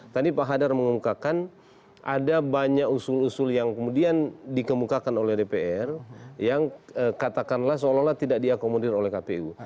tadi pak hadar mengungkapkan ada banyak usul usul yang kemudian dikemukakan oleh dpr yang katakanlah seolah olah tidak diakomodir oleh kpu